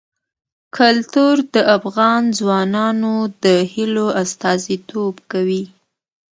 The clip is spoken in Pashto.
کلتور د افغان ځوانانو د هیلو استازیتوب کوي.